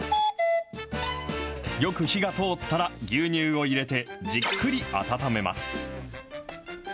よく火が通ったら、牛乳を入れて、じっくり温めます。